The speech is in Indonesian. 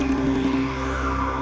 kemama di peracaan